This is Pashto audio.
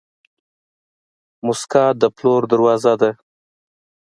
موسکا د پلور دروازه ده.